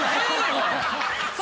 おい！